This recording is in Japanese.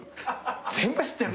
全部知ってる。